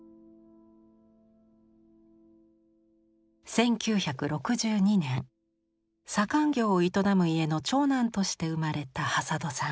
１９６２年左官業を営む家の長男として生まれた挾土さん。